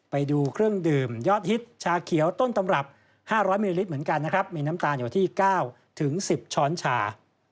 ไปดูเครื่องดื่มยอดฮิตชาเขียวต้นตำรับ๕๐๐มิลลิลิตรเหมือนกันนะครับมีน้ำตาลอยู่ที่๙๑๐ช้อนชา